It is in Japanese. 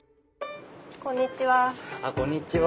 こんにちは。